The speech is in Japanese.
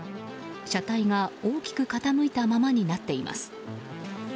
車体が大きく傾いたままになっています。